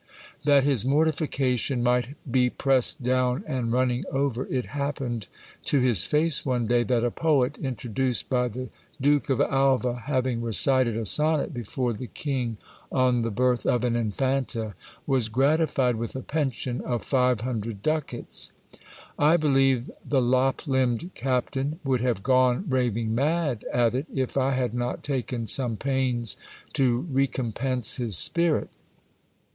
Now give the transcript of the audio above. That his mortification might be pressed down and running over, it happened to his face one day that a poet, introduced by the Duke of Alva, having recited a sonnet before the king on the birth of an infanta, was gratified with a pension of five hundred ducats. I believe the lop limbed captain would have gone raving mad at it, if I had not taken some pains to recompense his spirit.